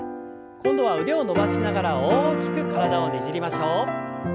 今度は腕を伸ばしながら大きく体をねじりましょう。